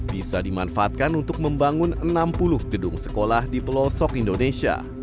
bisa dimanfaatkan untuk membangun enam puluh gedung sekolah di pelosok indonesia